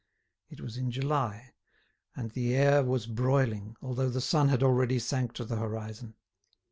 It was in July, and the air was broiling, although the sun had already sank to the horizon.